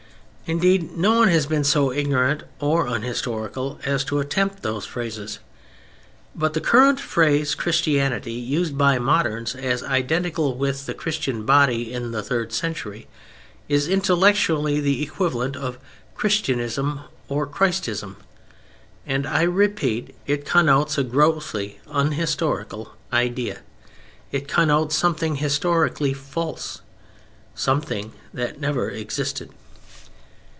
Indeed, no one has been so ignorant or unhistorical as to attempt those phrases. But the current phrase "Christianity," used by moderns as identical with the Christian body in the third century, is intellectually the equivalent of "Christianism" or "Christism;" and, I repeat, it connotes a grossly unhistorical idea; it connotes something historically false; something that never existed.